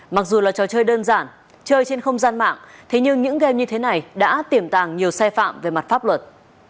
mặc dù là trò chơi đơn giản chơi trên không gian mạng thế nhưng những game như thế này đã tiềm tàng nhiều xe phạm về mặt pháp luật